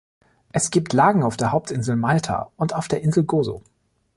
Es gibt Lagen auf der Hauptinsel Malta und auf der Insel Gozo.